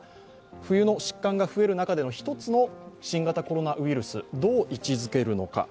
冬の疾患が増える中での一つの新型コロナウイルス、どう位置づけるのか。